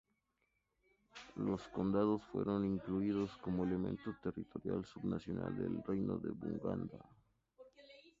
Los condados fueron incluidos como elemento territorial sub-nacional del reino de Buganda.